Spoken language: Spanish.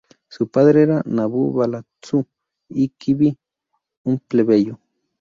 Su padre era Nabû-balatsu-iqbi, un plebeyo.